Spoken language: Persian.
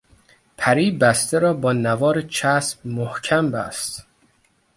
پری بسته را با نوار چسب محکم بست.